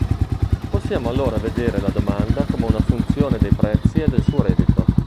Possiamo allora vedere la domanda come una funzione dei prezzi e del suo reddito.